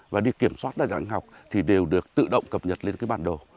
và đi kiểm soát đa dạng học thì đều được tự động cập nhật lên cái bản đồ